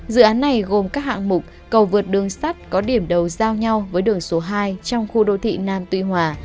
dự án này gồm các hạng mục cầu vượt đường sắt có điểm đầu giao nhau với đường số hai trong khu đô thị nam tuy hòa